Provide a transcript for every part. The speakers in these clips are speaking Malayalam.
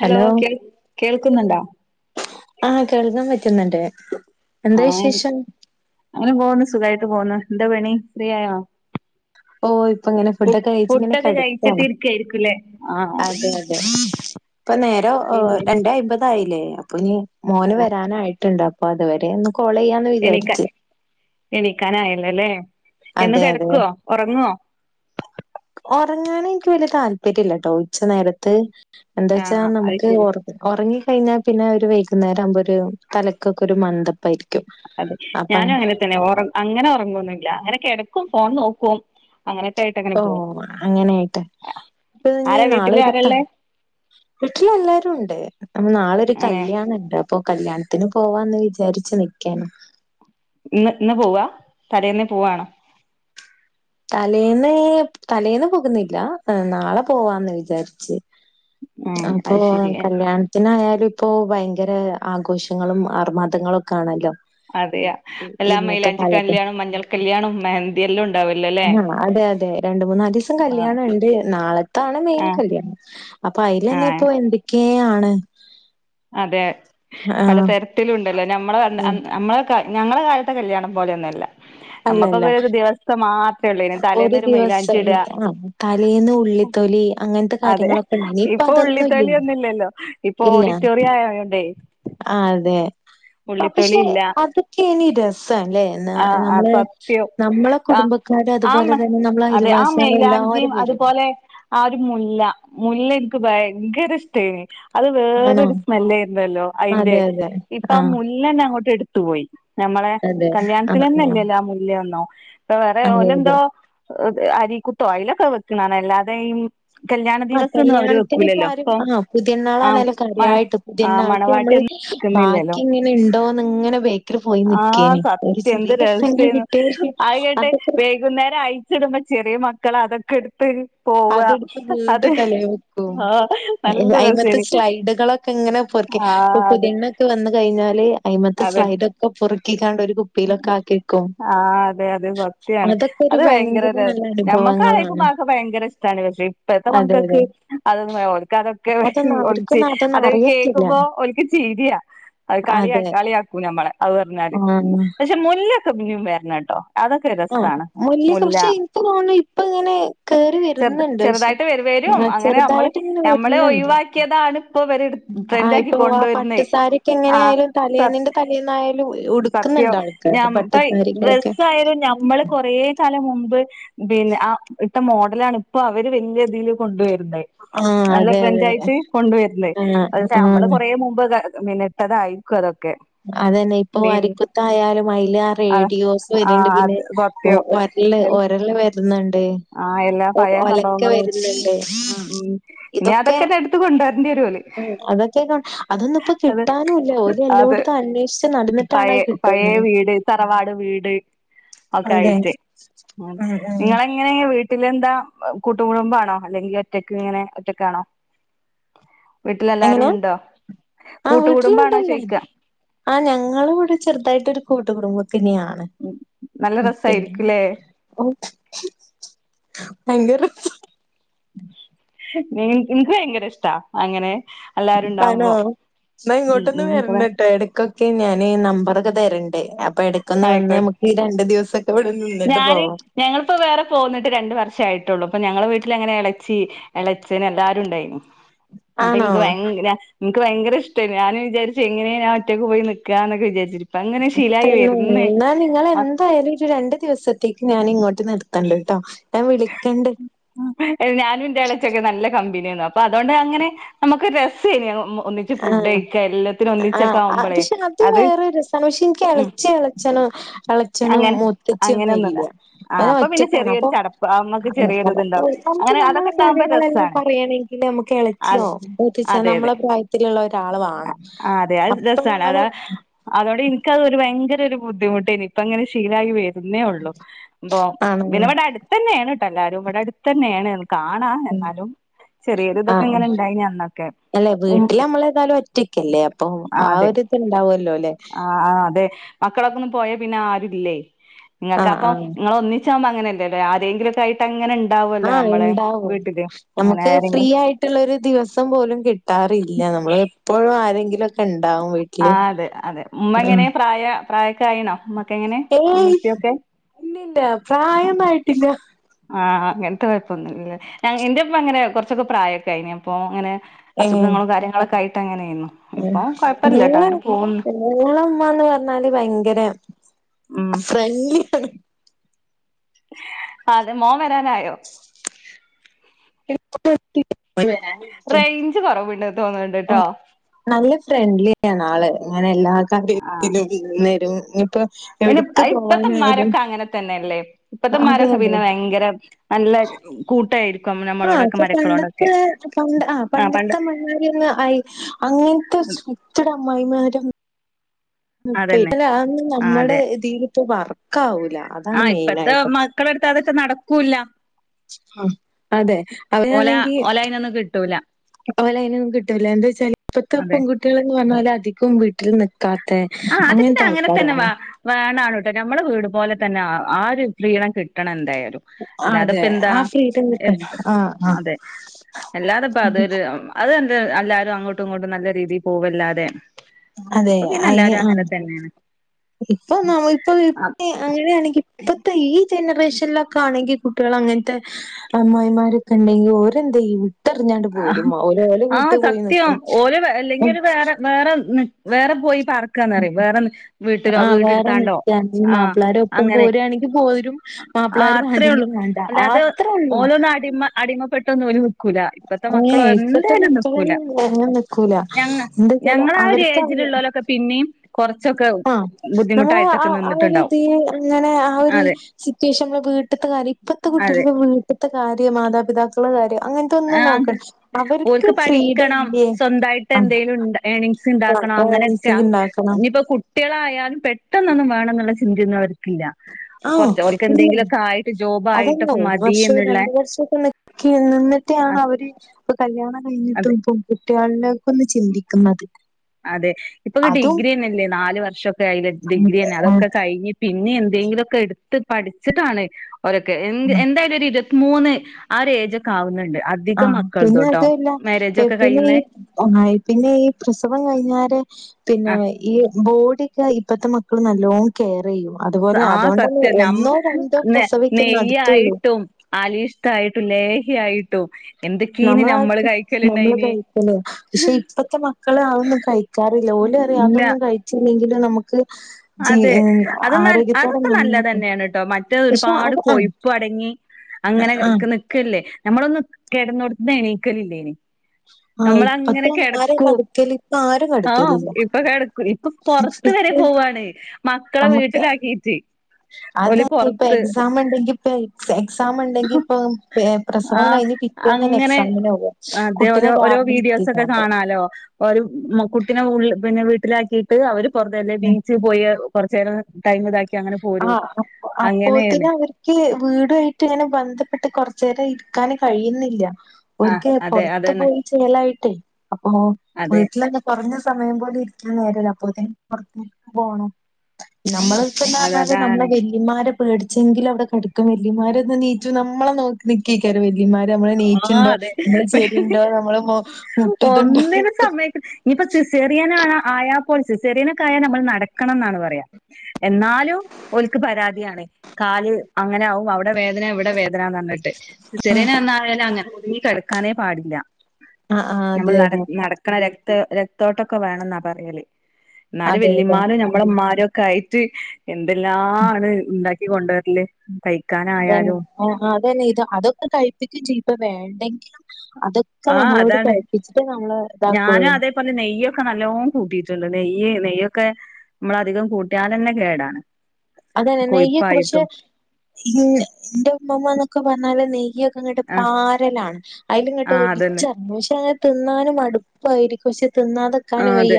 ഹലോ കേൾ കേൾക്കുന്നുണ്ടോ ആഹ് കേൾക്കാൻ പറ്റുന്നുണ്ട് എന്താ ആ വിശേഷം ഹ്അങ്ങനെ പോന്നു സുഖമായിട്ട് പോന്നു എന്താ പണി ഫ്രീ ആയോ ഓ ഇപ്പൊ ഇങ്ങനെ ഫു ഫുഡൊക്കെ കഴച്ച് ഇങ്ങനെ ഫുഡൊക്കെ കഴിച്ചിട്ട് കടക്കാണ് ഇരിക്കായിരിക്കുംല്ലേ ആ അതെ അതെ ഇപ്പൊ നേരോ പിന്നെ രണ്ടേആയിമ്പത് അപ്പൊ ഇനി മോന് വരാനായിട്ടുണ്ട്. അപ്പോ അതുവരെ ഒന്നും കോൾ ചെയ്യാ എണീക്കാനായല്ലല്ലേ ഇനി അതെ അതെ കിടക്കോ ഉ റങ്ങോ ഉറങ്ങാനെനിക്ക് വല്യ താല്പര്യം ഇല്ലാട്ടോ ഉച്ച നേരത്ത്. എന്താ വെച്ചാ ആഹ് അത് നമുക്ക് ശരി ഉറങ്ങി കഴിഞ്ഞാൽ പിന്നെ ഒര് വൈകുന്നേരാകുമ്പോ തലക്കൊക്കെ ഒരു മന്ദപ്പായിരിക്കും അതെ അപ്പ ഞാനും അങ്ങനെ അങ്ങനെ ഉറങ്ങുവൊന്നുല്ല അങ്ങനെക്കെടക്കും ഫോൺ നോക്കും അങ്ങനയിട്ടക്കെ ഓ അങ്ങനെയായിട്ടെ അപ്പൊ ഇനി ആരാ നാളെ വീട്ടില് ഒരു ആരാള്ളെ വീട്ടിലെല്ലാരുണ്ട്. അപ്പം നാളൊരു അങ്ങനെ കല്യാണം ഉ. ഇപ്പൊ കല്യാണത്തിന് പോവാന്ന് വിചാരിച്ചു നിക്കാണ്. ഇന്ന് പോവാ തലേന്നേ പോവണോ? തലേന്ന് പോകുന്നില്ല നാളെ പോവാന്ന് വിചാരിച്ച്. ഉം അപ്പൊ അത് ശരി ഏ കല്യാൺ എങ്ങനെയാലും ഇപ്പോ ഭയങ്കര ആഘോഷങ്ങളും ആർമാദങ്ങളൊക്കെ ആണല്ലോ അതെയ ഇ- എല്ലാ ഇന്നത്തെ കാലത്ത് മയിലാഞ്ചിക്കല്യാണം മഞ്ഞൾ കല്യാണം മെഹന്തിയെല്ലോം ഉണ്ടാവല്ലേ അതെ രണ്ട് മൂന്നാല് ദിവസം ആഹ് കല്യാണണ്ട്. നാളത്താണ് മെയിൻ ആഹ് കല്യാണം. അപ്പൊ അയിലെന്നെ ആഹ് ഇപ്പോ എന്തൊക്കെയാണ് അതെ ആഹ് പലതരത്തിലും ഉണ്ടല്ലോ നമ്മളെ ഞങ്ങള കാലത്തെ കല്യാണം പോലെയൊന്നുമല്ല അല്ലല്ല നമുക്കൊക്കെ ഒരു ദിവസ മാത്രമേ ഉള്ളേനു ഒരു തലേന്നൊരു മെയിലാഞ്ചി ദിവസം ഇട ആ തലേന്ന് ഉള്ളിത്തൊലി അങ്ങനത്തെ അതെ കാര്യങ്ങളൊക്കെ ഉണ്ടായിനി ഇപ്പൊ അതൊന്നും ഇല്ലല്ലോ ഉള്ളിതോളി ഒന്നുമില്ലല്ലോ ഇപ്പൊ ഓഡിറ്റോറിയം ആയോണ്ടേ ആതെ ഉള്ളിത്തൊലി പക്ഷെ ഇല്ല അതൊക്കെ ഈ രസല്ലേ ആഹ് ആഹ് നമ്മെളെ സത്യം നമ്മളെ ആഹ് കുടുംബക്കാർ അതുപോലെ ആമ തന്നെ നമ്മളെ അതെ ആ അയൽവാസികളും മൈലാഞ്ചിയും എല്ലാവരും വരും അതുപോലെ ആ ഒരു മുല്ല എനിക്ക് ഭയങ്കര ഇഷ്ടേന് അത് ആണോ വേറൊരു സ്മെല്ലേയിരുന്നല്ലോ അയിന്റെ അതെ അതെ ഇപ്പൊ ആ മുല്ലന്നെ അങ്ങോട്ട് എടുത്തുപോയി നമ്മളെ അതെ ആ കല്യാണത്തിന്നെല്ലേല്ലോ ആ മുല്ലയൊന്നും ഇപ്പ വേറെ അതെ അതെ ഓലെന്തോ അരി കുത്തോ അയിലൊക്കെ വെക്കണകാണാം എല്ലാതെയും ആ കല്ല്യാണത്തിന് ഇപ്പോ ആരും ആ ആ പുതിയണാളാണല്ലോ മ കരിയായിട്ട് ഇതി ആ എന്നാൾക്ക് മണവാട്ടി നമ്മള് ഒന്നും വെക്കുന്നില്ലല്ലോ ബാക്കി ഇങ്ങനെ ഉണ്ടോന്ന് ഇങ്ങനെ ഇത്തിരി പോയി ആഹ് നിക്കേനി സത്യം ഒരു എന്ത് ചെറിയ കഷ്ണകിലും രസേന്നു കട്ടുക അത് കേട്ട് അതൊക്കെ വൈകുന്നേരം അയച്ചിടുമ്പോ ചെറിയ മക്കൾ അതൊക്കെ എടുത് അതെടുത്ത് വീണ്ടും തല വെക്കും. ആഹ് നല്ല അതിമത്തെ രസേനി സ്ലൈഡുകളൊക്കെ ഇങ്ങനെ പൊറക്കി ഇപ്പൊ ആഹ് അതെ പുതിയണ്ങ്ങൊക്കെ വന്ന കഴിഞ്ഞാ അതിമത്തെ സ്ലൈഡ ഒക്കെ പൊറക്കിക്കാണ്ട് ഒരു കുപ്പിയിലൊക്കെ ആക്കി വെക്കും. ആ അതെ സത്യാണ് അതൊക്കെ ഒരു അത് ഭയങ്കര നല്ല ഞമ്മക്ക അനുഭവങ്ങളാണ്. ആക്കും ഭയങ്കര ഇഷ്ടമാണ് പക്ഷേ ഇപ്പഴത്തെ അതെ അതെ. മക്കൾക്ക് അതൊന്നും അവർക്കൊന്നും അതൊന്നും അതൊക്കെ അറിയത്തില്ല. കേൾക്കുമ്പോ ശരിയാ അത് അതെ. കളിയാക്കൂ നമ്മളെ അത് പറഞ്ഞാല് ആഹ് പക്ഷെ മുല്ലൊക്കെും പിന്നേം വരണം കേട്ടോ അതൊക്കെ ആ മുല്ല ഒക്കെ കുറച്ച് എനിക്ക് തോന്നുന്നു ഇപ്പ ഇങ്ങനെ കേറി ചെറുത് വരുന്നുണ്ട് ചെറുതായിട്ട് വരും ആഹ് അങ്ങനെ ചെറുതായിട്ട് ഇങ്ങനെ നമ്മള് ഒഴിവാക്കിയതാണ് ഇപ്പോ ആ ഇപ്പൊ ആ പട്ടുസാരിക്ക് എങ്ങനെ ആഹ് ആയാലും സ തലേന്നിന്റെ തലേന്നായാലും സത്യം ഉടുക്കുന്നുണ്ട് ആൾക്കാര് ഇപ്പ പട്ടുസാരികളൊക്കെ. ഡ്രസ്സ ആായാലും ഞമ്മള് കൊറ കാലം മുമ്പ് പിന്നെ ആ ഇട്ട മോഡലാണ് ഇപ്പൊ അവര് വലിയ രതിയിൽ കൊണ്ടുവരുന്നത് ആ നല്ല അതെ അതെ ട്രെൻഡ് ആയിട്ട് കൊണ്ടുവരുന്നത് ആ അത് ആ നമ്മള് കൊറ മുമ്പ് മിനിട്ടത ആയിരിക്കുതൊക്കെ അതന്നെ ഇപ്പൊ വാരി കുത്തായാലും അതിൽ ആ ആഹ് റേഡിയോസ് വരുന്നുണ്ട് ആഹ് പിന്നെ അത് സത്യം ഒരല് എൽ ഒരല് വര്ന്ന്ണ്ട് ആഹ് എല്ലാ പഴയ ഒലക്ക സംഭവങ്ങളും വരുന്നുണ്ട് ആ ഉം ഇനി ഇതൊക്കെ അതൊക്കെന്നെ എടുത്ത് കൊണ്ടുവരേണ്ടി വരും ഓല് ആ അതൊക്കെന്നാ അതൊന്നു അത് ഇപ്പോകിട്ടാനുംല്ല ഓല് എല്ലോടത്തും അന്വേഷിച് പയേ പയേ വീട് തറവാട് വീട് ഒക്കെ അതെ ആയിട്ട് ഉം നിങ്ങളെ നിങ്ങള ങ്ങനെ വീട്ടിലെന്താ കൂട്ട കുടുംബാണോ അല്ലെങ്കിൽ ഒറ്റയ്ക്ക ഇങ്ങനെ ഒറ്റക്കാണോ എങ്ങനെ വീട്ടിലെല്ലാരുംണ്ടോ ആ കൂട്ടുകൂടുമ്പാണോ വീട്ടിലുണ്ടല്ലോ ചോദിക്ക ആ ഞങ്ങൾ ഇവിടെ ചെറുതായിട്ട് ഒരു കൂട്ട് കുടുംബം തനെയാണ് നല്ല പിന്നെ രസായിരിക്കുംല്ലേ ഓ [unintelligible] [unintelligible] എനിക്ക് ഭയങ്കര ഇഷ്ടാ അങ്ങനെ എല്ലാരും ആണോ ഉണ്ടാവുമ്പോ ന്നാ ഉം ഇങ്ങോട്ടൊന്ന് ഉം വരണട്ടോ എടക്കൊക്കെ ക്കെ ഞാൻ നമ്പറൊക്കെ തരണ്ട് അപ്പൊ ഇടക്കൊന്ന് വന്ന് ആയിക്കോട്ടെ നമുക്ക് രണ്ടു ദിവസം ഞാന് ഞങ്ങളിപ്പോ വേറെ പോന്നിട്ട് രണ്ട വർഷ ആയിട്ടുള്ളൂ അപ്പൊ ഞങ്ങളെ വീട്ടിലെങ്ങനെ ഇളച്ചി എളച്ച്ചന് എല്ലാരും ഉണ്ടായിരുന്നു അപ്പൊ ആണോ എനിക്ക് ഭയങ്കര എനിക്ക് ഭയര ഇഷ്ടയ്നി ഞൻ വിചാരിച്ച എങ്ങനെ ഞാൻ ഒറ്റൊക്ക് പോയി നിൽക്കാന്നൊക്ക വിചാരിച്ചു [unintelligible] നിങ്ങെന്തായാലും ഒരു രണ്ടു ദിവസത്തേക്ക് ഞാൻ ഇങ്ങോട്ട് നിർത്തണ്ടട്ടോ ഞാൻ വിളിക്കണ്ട് ഞാനും ൻന്റെ എളച്ചൊക്കെ നല്ല കമ്പനിയന്നു അപ്പൊ അതുകൊണ്ട് അങ്ങനെ നമുക്ക് രസയ്ന് ഒന്നി ആഹ ആ പക്ഷെ ആദ്യം അത് വേറരു രസമാണ് പക്ഷെ എനിക്ക് ഉം ഇളച്ചി ഛനൊ എള ച്ഛനും അങ്ങനെ മുത്തച്ചൊന്നും അങ്ങനെയൊന്നുല്ല ഇല്ല ആ അത് അപ്പൊ പിന്നെ ഒറ്റക്കാണ് ചെറിയൊരു അപ്പൊ ചടപ്പ് അമ്മക്ക് ചെറിയൊരിതുണ്ടാവും നമുക്ക് അങ്ങനെ നമ്മളെ അതൊക്കെ ഉണ്ടാവുമ്പോ കാര്യങ്ങളെല്ലാം രസാണ് പറയയണങ്കിൽ നമുക്ക് എളച്ചിയോ അതെ മൂത്തേച്ചിയോ അതെ അതെ നമ്മളെ പ്രായ ത്തിരിുള്ള ഒരാൾ വണം ആ അതെ അത് രസാണ് അപ്പോഴാണ് അതാ അതോണ്ട് എനിക്കത് ഒരു ഭയങ്കര ഒരു ബുദ്ധിമുട്ട്നി ഇപ്പങ്ങനെ ശീലയി വെ രുന്നു ന്നേ ഉള്ളൂ പ്പൊ ആണ് പിന്നെ ഇവിടെ അടുത്ത് തന്നെയാണട്ടോ എല്ലാരും ഇവിടെ അടുത്ത് തന്നെയാണ് കാണാ ഉം എന്നാലും ചെറിയൊരു ഇതൊക്കെ ആഹ് ഇങ്ങനെ ആഹ് ഇണ്ടായിനി അ ന്നൊക്കെ അല്ലെ വീട്ടിൽ നമ്മള ഏതാലും ഒറ്റക്കല്ലേ അപ്പൊ ആ ഒരു ഇത് ഉണ്ടാവല്ലോ അല്ലെ ആ ആ അതെ മക്കളൊക്കെ ഒന്നന്ന് പോയ പിന്നെ ആരില്ലേ നിങ്ങൾക്ക് ആഹ് അപ്പൊ ആഹ് നിങ്ങള ഒന്നി ന്നിച്ചാവുംബ അങ്ങനെല്ലല്ലേ ആരെങ്കിലും ഒക്കെയിട്ട് അങ്ങനെ ഉണ്ടാവുമല്ലോ ആഹ് നമ്മെ വീട്ടില് അങ്ങനെ ആരെങ്കിലും ുള്ള ഒരു ദിവസം പോലും കിട്ടാറില്ല നമ്മൾ എപ്പോഴും ആരെങ്കിലും ആ അതെ അതെ ഉമ്മ എങ്ങനെ ആഹ് പ്രായ പ്രായക്കെ ആയിണോ ഉമ്മക്കെ എങ്ങനെ ഉമ്മീം ഏയ് ഉപ്പയൊക്കെ ഇല്ലില്ല പ്രായൊന്നായിട്ടില്ല ആഹ് ആഹ് അങ്ങൻത്തെ കൊഴ്‌പ്പൊന്നുല്ല. എന്റെുപ്പ അങ്ങനെ കൊർച്ചൊക്കെ പ്രായൊക്കെ അയിനി പ്പൊ അങ്ങനെ ഏഹ് അസുഖങ്ങളും കാര്യങ്ങളൊക്കെ ആയിട്ട് അങ്ങനെയ്ന്നു ഇപ്പൊ കൊയ്പ്പല്ലട്ടോ അങ്ങനെ പോകുന്നു ഞങ്ങളമ്മാന്ന് പർഞ്ഞാല് ഭയങ്കര ഉം ഫ്രണ്ട്ലി അതെ മോൻ വരാനായോ [unintelligible] റേയ്ഞ്ച് കൊർവ്ണ്ട് തോന്ന്ണ് ണ്ട് ട്ടോ നല്ല ഫ്രണ്ട്ലി ആണ് ആള് ഇങ്ങനെ എല്ലാ കാര്യത്തിലും നിന്നരും നിപ്പോ അയ്ന് അയ്ൻ ഇപ്പത്തമ്മാരൊക്കെ അങ്ങനെ തന്നെയല്ലേ ഇപ്പത്തെ അതെ മ്മാരൊക്കെ അതെ. പിന്നെ ഭയങ്കര നല്ല കൂട്ടായിരിക്കും നമ്മളോടൊക്കെ മരക്കളോടെ പ ആ പണ്ടത്തെ അമ്മായിമ്മാര് ഒന്ന് ആയി അങ്ങൻത്തെ ച്ചട അമ്മായിമാരും [unintelligible] അതന്നെ അല്ല അതന്നും ആഹ് നമ്മടെ അതെ ഇതീല് പ്പോ വർക്കാവൂല അതാണ് മെയിനായിട്ട് മക്കള എട്ത്ത് അതറ്റെ നടക്കൂല്ല ആ അതെ അവരാണെങ്കി അയ്നൊന്നും കിട്ടൂല ഓലെ അയ്നൊന്നും കിട്ടൂല എന്തേച്ചാല് ഇപ്പത്തെ അതെ പൺകുട്ടികള് ന്ന് പർഞ്ഞാല് അധികം വീട്ടിൽ നിക്കാ ആ അത് പിന്നെ അങ്ങനെ തന്നെ വാ വേണാണ് ട്ടോ നമ്മളെ വീട് പോലെ തന്നെ ആ ഒരു ഫ്രീഡം കിട്ടണ എന്തായാലും അല്ലാതപ്പ അതെ എന്താ ആ ഫ്രീഡം കിട്ടണം. ആഹ് ആഹ് അതെ അല്ലാതപ്പ അതരു അതെന്താ എല്ലാരും അങ്ങോട്ടും ഇങ്ങോട്ടും നല്ല രീതി പോവല്ലാതെ അതെ ഇപ്പൊ പിന്നെ അയ്ന് എല്ലാരും ആ അങ്ങനെ തന്നെയാണ് ഇപ്പൊ നമ്മ ഇപ്പൊ [unintelligible] അങ്ങനെണെങ്കി ഇപ്പത്തെ ഈ ജനറേഷൻലൊക്കെ ആണങ്കി കുട്ടിയള് അങ്ങൻത്തെ അമ്മായിമാരൊക്കണ്ടങ്കി ഓര് എന്തയ്യും ഇട്ടർഞ്ഞാണ്ട് പോരും ഓല് ഓല് ആഹ് വീട്ട് പോയി സത്യം നിക്കും ഓല് അല്ലെങ്കി ഒരു വേറെ ന്ന് വേറെ പോയി പാർക്കാന്നറിം വേറെ വീട്ടിലോ ആ വീട് വേറെ ഇട്ത്താണ്ടോ നിക്കാണെങ്കി ആ മാപ്പിളാരെ ഒപ്പം അങ്ങനെ പോരാണെങ്കി പോരും ആ മാപ്പിളാര് അത്രെ വേണ്ടെങ്കി ഒള്ളൂ വേണ്ട അല്ലാതെ അത്രേ ഉള്ളൂ ഓലോന്ന് അടിമ അടിമപ്പെട്ടന്ന് ഓല് നി ക്കൂല ഇപ്പത്തെ ഏ മക്കള് ഇപ്പത്തെ എന്തായാലും നിക്കൂല. മക്കളൊന്നും അങ്ങനെ നിക്കൂല ഞങ്ങ എന്താച്ചാല് ഞങ്ങള ആ ഒര് അവർക്ക് ഏജിലുള്ളാലൊക്കെ പിന്നിം കൊർച്ചൊക്ക ആ നമ്മള് ആ ആ ഒരിതീ അങ്ങനെ ആ ഒരി അതെ സിറ്റുവേഷൻ മ്മളെ വീട്ട്ത്തെ കാര്യം ഇപ്പത്തെ അതെ കുട്ടിഴൾക്ക് വീട്ട്ത്ത കാര്യം മാതാപിതാക്കളെ കാര്യോ അങ്ങൻ ആ ഓൽക്ക് പഠിക്കണം ഇല്ലേ സ്വന്തായിട്ട് എന്തെലും ഇണ്ട ഏണിങ്സ് ഇണ്ടാക്കണം അങ്ങനെ ഏണിങ്സ് ഉണ്ടാക്കണം ഞ്ഞിപ്പൊ കുട്ടിഴളായാലും പെട്ടെന്നൊന്നും വാണം ന്ന്ള്ള ചിന്ത്യന്നും അവര് ഇല്ല. ആഹ് കൊർച്ച് ഓൽക്ക് ഇല്ല എന്തെങ്കിലൊക്കെ ആയിട്ട് ജോബ് ആയിട്ടൊക്കെ മതീന്ന്ള്ളെ [unintelligible] നിന്ന്ട്ടാണ് അവര് ഇപ്പം കല്യാണം കഴിഞ്ഞിട്ടും ഇപ്പ കുട്ടിയാള്‌ലെ ഒന്ന് ചിന്തിക്കുന്നത് അതെ ഇപ്പൊ ഡിഗ്രിയെന്നെല്ലേ നാല് വർഷൊക്കെ ആയിലെ ഡിഗ്രിയെന്നെ അതൊക്കെ അതും കഴിഞ്ഞ് പിന്നെ എന്തെങ്കിലൊക്കെ എട്ത്ത് പട്ച്ചിട്ടാണ് ഓരൊക്കെ എ എന്തായാലും ഒരു ഇരു ത്ത്മൂന്ന് ആ ഒര് എയ്ജൊക്കെ ആവുന്നുണ്ട് അ ആ പിന്നെ അതു അല്ല പിന്നെ കഴിയുന്നേ ഈ ആ പിന്നെ ഈ പ്രസവം കഴിഞ്ഞാരെ പിന്നെ ആ ഈ ബോഡി ഇപ്പത്തെ മക്കള് നല്ലോം കെറെയ്യും അതുപോലെ ആ അതുകൊണ്ടല്ലേ സത്യം നം ഒന്നോ രണ്ടോ പ്രസവക്കെ നട്ത്തൊള്ളൂ അരിഷ്ടായിട്ടും ലേഹ്യ ആയിട്ടും ക്കീന് നമ്മളാ നമ്മള് കഴി നമ്മള് കഴിക്ക്ണ് പക്ഷെ ഇപ്പത്തെ മക്കള് അതൊന്നും കഴിക്കാറില്ല ഓലറിയാ ഇല്ല അതൊന്നും കഴി ചില്ലങ്കിലും നമു ക്ക് ജീ അതെ ഏ അത് നൽ ആരോഗ്യത്തോടെ അതൊക്കെ നിന്നാ പക്ഷെ അത് ആ പ്പൊ അടങ്ങി അങ്ങനെക്കെ നിക്കല്ലേ. ഞമ്മളൊന്നും കെടന്നോട്ത്ത്ന്ന് എണീക്കലില്ലേനി ആഹ് നമ്മളങ്ങനെ ഇപ്പത്തെ ആരും കെടക്കും. കടുക്കല് ഇപ്പ ആരും ആ കടുക്കലില്ല ഇപ്പൊ കെടക്കു ഇപ്പൊ പൊർ ത്ത് ഇപ്പ വരെ പോവാണ്. മക്കളെ വീട്ട്ലാക്കീട്ട്. അതെന്നെ ഇപ്പ എക്സാമ് ഇണ്ടെങ്കി പ്പ എക്സ എക്സാം ഇണ്ടെങ്കിപ്പൊ ഏ പ്രസവം ആഹ് കഴിഞ്ഞ് പി- അങ്ങനെ അതേ ഓലോ ഓരോ കാറില് വീഡിയോസ് ഒക്ക ഇരുത്തിക്കാണ്ട് കാണാലോ. ഒരു മ കുട്ടിനെ ഉള്ള് പിന്നെ വീട്ടിലാക്കിട്ട് അവര് പൊറത്തല്ലേ ഉം. ബീച്ചി പോയി കൊറച്ചേരം ടൈം ഇതാക്കി അങ്ങനെ പോരും അങ്ങനേണ്. ഇക്കീ വീടുവായിട്ട് ഇങ്ങനെ ബന്ധപ്പെട്ട് കൊറച്ചേരം ഇരിക്കാന് കഴിയുന്നില്ല. ആഹ് ഓര്ക്ക് അതെ പൊറത്തു അതന്നെ പോയി ചേലായിട്ടേ അപ്പൊ അതെ വീട്ടിലന്നെ കൊറഞ്ഞ സമയം പോലും ഇരിക്കാൻ നേരല്ല. അപ്പൊക്കിന് പൊറത്തു പോണം നമ്മള് ഇപ്പന്താ അത് പറഞ്ഞാല് അതാണ് നമ്മെളെ വെല്ലിമാരെ പേടിച്ചെങ്കിലും അവടെ കെടക്കും വല്യമാര് ഒന്ന് നീറ്റു നമ്മളെ നോ നിക്കേക്കാരം വല്യമാര് നമ്മള് ആഹ് ണീക്കുണ്ടോ അതെ നമ്മള് ചെരീണ്ടോ നമ്മള് മ [unintelligible] ഇനിയിപ്പൊ സിസേറിയന് ആയാപ്പോലും സിസേറിയനൊക്കായല് നമ്മള് നടക്കണം എന്നാണ് പറയാ എന്നാലും ഒല്ക്ക് പരാതിയാണ്. കാല് അങ്ങനെ ആവും അവ അവടെ വേദന ഇവിടെ വേദനന്ന് പറഞ്ഞിട്ട് സിസേറിയനൊന്നായാല് അങ്ങനെ ഒതുങ്ങി കെടക്കാനേ പാടില്ല ആഹ് ആഹ് അതെ നമ്മള് നട അതെ നടക്കണ രക്ത രക്തോട്ടൊക്കെ വേണംന്നാ പറയല്. ഇന്നാലും അതെ അതെ വെല്ലിമ്മാരും ഞമ്മളെ ഇമ്മരൊക്കെ ആയിട്ട് എന്തെല്ലാണ് ഇണ്ടാക്കി കൊണ്ടരല്. ഇതന്നെ കഴിക്കാനായാലും ആഹ് അതന്നെ ഇത് അതൊക്കെ കഴിപ്പിക്കും ചെയീപ്പം വേണ്ടെങ്കി അതൊ ക്കെ ആഹ് നമ്മളോട് അതാണ് കഴിപ്പിച്ചിട്ടേ നമ്മളെ ഞാനും താക്കുള്ളൂ. അതേപോലെ നെയ്യൊക്കെ നല്ലോം കൂട്ടിട്ടുണ്ട് നെയ്യ് നെയ്യൊക്കെ നമ്മളധികം കൂട്ടിയാലെന്നെ കേടാണ്. അതല്ലെ നെയ്യൊക്കെ പക്ഷെ കൊഴുപ്പായിട്ടും ഇന്റെ ഉമ്മമ്മന്നൊക്കെ പറഞ്ഞാല് നെയ്യൊ ഇങ്ങട്ട് ആഹ് പാറലാണ് അയ്ല് ഇങ്ങട്ട് ആഹ് ഒലിച്ച അതന്നെ കുബ്ബൂസ് അങ്ങനെ തിന്നാന് മടുപ്പായിരിക്കും പക്ഷെ തിന്നാതെ ആഹ് അതെ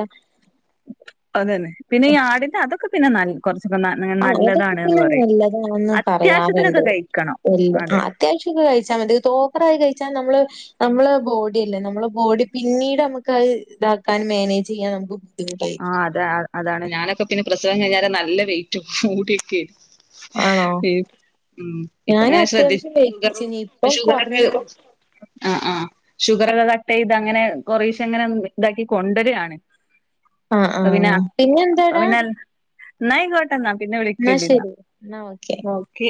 അതന്നെ. പിന്നെ ഈ ആടിന്റെ അതൊക്കെ പിന്നെ നല് കൊറച്ചൊക്കെ ന്ന ആഹ് അതൊക്കെ നല്ലതാണ്ന്ന് പിന്നെ പറയും. നല്ലതാണെന്ന് അത്യാശ്യത്തിനൊക്കെ കഴിക്കണം അതെ. അത്യാവശ്യം ഒക്കെ കഴിച്ചാ മതി. അത് ഓവറായി കഴിച്ചാ നമ്മള് നമ്മളെ ബോഡി ഇല്ലേ നമ്മളെ ബോഡി പിന്നീട് അമ്മക്ക് അത് ഇതാക്കാൻ മാനേജ് ചെയ്യാൻ നമുക്ക് ബുദ്ധിമുട്ടായിരിക്കും. ആഹ് അതെ അതാണ്. ഞാനൊക്കെ പിന്നെ പ്രസവം കഴിഞ്ഞാല് നല്ല വെയ്റ്റ് കൂടീട്ടെ ആന്നോ ഉം ഇപ്പ ഇങ്ങനെ ശ്രദ്ധിച്ച് വെയിറ്റ് ഷുഗറും വെച്ചീനി. ഇപ്പം ഷുഗറൊക്കെ കൊറഞ്ഞ് കൊറച്ച് ആഹ് ആഹ് ഷുഗറൊക്കെ കട്ടയ്ത് അങ്ങനെ കൊറേശങ്ങനെ ഇതാക്കി കൊണ്ടരാണ്. ആഹ് അപ്പ പിന്ന ആഹ് അപ്പ പിന്നെന്താടാ? പിന്നെ ന്നാ അയ്കോട്ടെ. ഓക്കേ എന്നാ പിന്നെ എന്നാ വിളിക്കേണ്ടിന്ന ശരി. എന്നാ ഓക്കെ. ഓക്കെ.